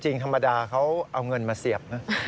จริงธรรมดาเขาเอาเงินมาเสียบนะ